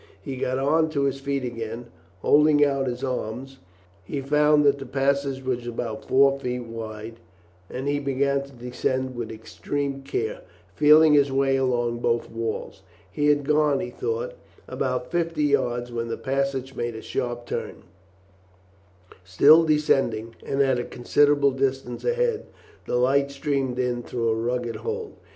He got on to his feet again. Holding out his arms he found that the passage was about four feet wide, and he began to descend with extreme care, feeling his way along both walls. He had gone, he thought, about fifty yards when the passage made a sharp turn, still descending, and at a considerable distance ahead the light streamed in through a rugged hole.